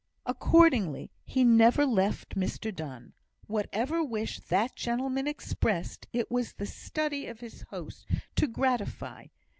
Accordingly he never left Mr Donne. Whatever wish that gentleman expressed, it was the study of his host to gratify.